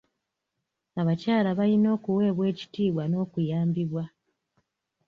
Abakyala bayina okuweebwa ekitiibwa n'okuyambibwa.